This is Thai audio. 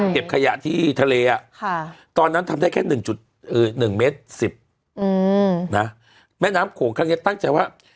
ขยะที่ทะเลตอนนั้นทำได้แค่๑๑เมตร๑๐แม่น้ำโขงครั้งนี้ตั้งใจว่า